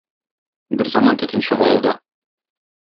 Берзаман төтен чыга алда.